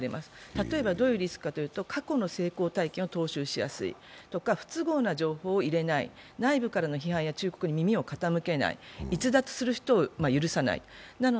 例えばどういうリスクかというと、過去の成功体験を踏襲しやすいとか、不都合な情報を入れない、内部からの忠告や意見に耳を傾けない、逸脱する人を許さない。